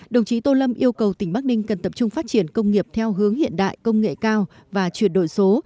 đồng chí tô lâm yêu cầu tỉnh bắc ninh cần tập trung phát triển công nghiệp theo hướng hiện đại công nghệ cao và chuyển đổi số